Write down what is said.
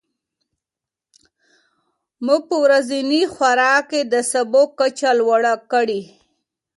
موږ په ورځني خوراک کې د سبو کچه لوړه کړې.